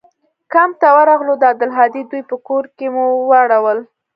کمپ ته ورغلو د عبدالهادي دوى په کور کښې مو واړول.